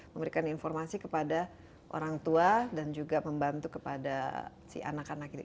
memberikan informasi kepada orang tua dan juga membantu kepada si anak anak